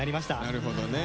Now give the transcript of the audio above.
なるほどね。